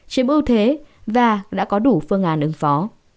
chiếm ưu thế và đã có đủ phương án ứng phó